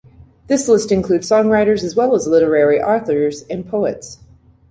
This list includes songwriters as well as literary authors and poets.